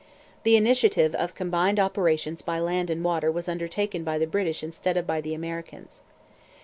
The initiative of combined operations by land and water was undertaken by the British instead of by the Americans.